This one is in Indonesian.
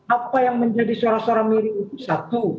apa yang menjadi suara suara miring itu satu